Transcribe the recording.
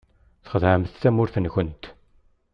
Txedɛemt tamurt-nkent.